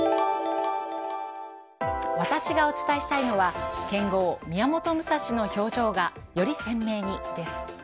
私がお伝えしたいのは剣豪・宮本武蔵の表情がより鮮明にです。